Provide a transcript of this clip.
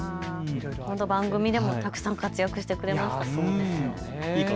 この番組でもたくさん活躍してくれましたもんね。